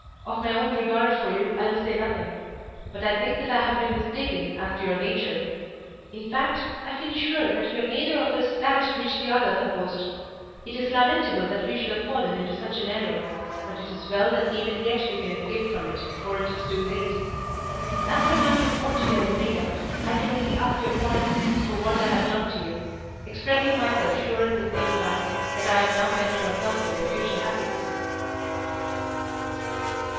Of my own regard for you I will say nothing. But I think that I have been mistaken as to your nature. In fact, I feel sure that we are neither of us that which the other supposed. It is lamentable that we should have fallen into such an error, but it is well that even yet we can escape from it before it is too late. As my mind is altogether made up, I can only ask your pardon for what I have done to you, expressing myself sure at the same time that I am now best consulting your future happiness."